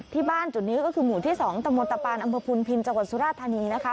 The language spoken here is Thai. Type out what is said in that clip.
ที่บ้านจุดนี้ก็คือหมู่ที่๒ตมตะปานอำเภอพุนพินจังหวัดสุราธานีนะคะ